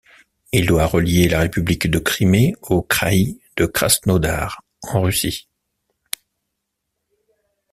Il doit relier la république de Crimée au kraï de Krasnodar, en Russie.